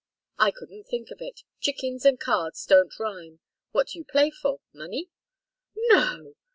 "I couldn't think of it. Chickens and cards don't rhyme. What do you play for money?" "No!"